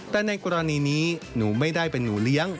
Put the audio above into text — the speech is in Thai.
แต่ในกรณีนี้หนูไม่ได้เป็นหนูเลี้ยง